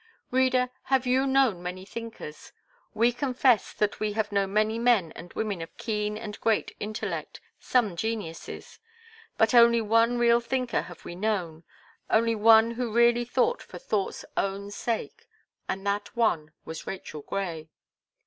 Reader, hare you known many thinkers? We confess that we hare known many men and women of keen and great intellect, some geniuses; but only one real thinker have we known, only one who really thought for thought's own sake, and that one was Rachel Gray.